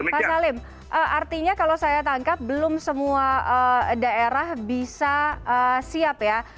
pasalim artinya kalau saya tangkap belum semua daerah bisa siap ya